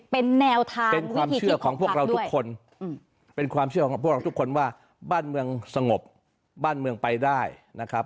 เป็นแนวทางเป็นความเชื่อของพวกเราทุกคนเป็นความเชื่อของพวกเราทุกคนว่าบ้านเมืองสงบบ้านเมืองไปได้นะครับ